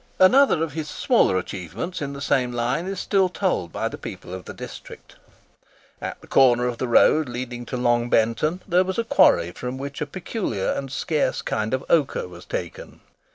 Another of his smaller achievements in the same line is still told by the people of the district. At the corner of the road leading to Long Benton, there was a quarry from which a peculiar and scarce kind of ochre was taken.